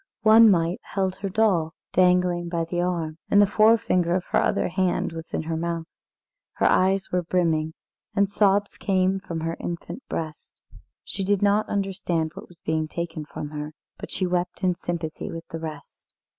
One mite held her doll, dangling by the arm, and the forefinger of her other hand was in her mouth. Her eyes were brimming, and sobs came from her infant breast. She did not understand what was being taken from her, but she wept in sympathy with the rest.